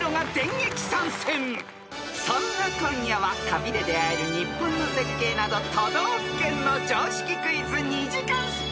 ［そんな今夜は旅で出合える日本の絶景など都道府県の常識クイズ２時間ＳＰ］